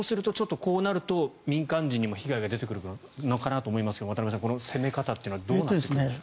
そうなると民間人にも被害が出てくるのかなと思いますが渡部さん、この攻め方というのはどうなんでしょう。